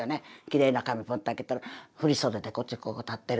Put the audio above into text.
きれいな紙ポンと開けたら振り袖でこっちこう立ってる。